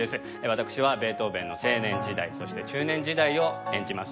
私はベートーベンの青年時代そして中年時代を演じます。